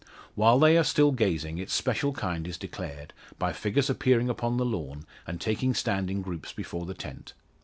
While they are still gazing its special kind is declared, by figures appearing upon the lawn and taking stand in groups before the tent.